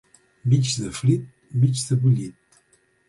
Mig de frit, mig de bullit.